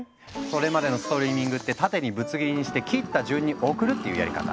それまでのストリーミングってタテにぶつ切りにして切った順に送るっていうやり方。